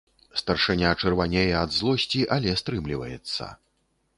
Старшыня чырванее ад злосці, але стрымліваецца.